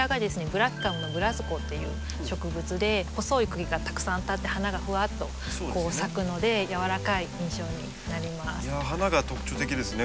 ブラキカムのブラスコっていう植物で細い茎がたくさん立って花がふわっと咲くのでやわらかい印象になります。